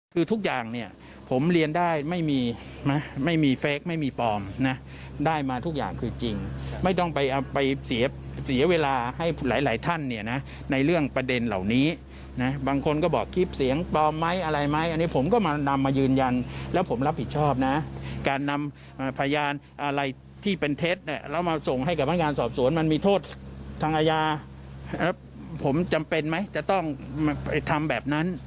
คือทุกอย่างเนี่ยผมเรียนได้ไม่มีนะไม่มีเฟคไม่มีปลอมนะได้มาทุกอย่างคือจริงไม่ต้องไปเอาไปเสียเวลาให้หลายท่านเนี่ยนะในเรื่องประเด็นเหล่านี้นะบางคนก็บอกคลิปเสียงปลอมไหมอะไรไหมอันนี้ผมก็มานำมายืนยันแล้วผมรับผิดชอบนะการนำพยานอะไรที่เป็นเท็จเนี่ยแล้วมาส่งให้กับพนักงานสอบสวนมันมีโทษทางอาญาผมจำเป็นไหมจะต้องไปทำแบบนั้น